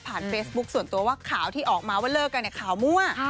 เฟซบุ๊คส่วนตัวว่าข่าวที่ออกมาว่าเลิกกันเนี่ยข่าวมั่ว